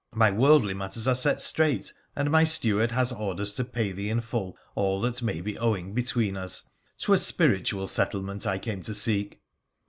' My worldly matters are set straight, and my steward has orders to pay thee in full all that may be owing between us ; 'twas spiritual settlement I came £o seek.'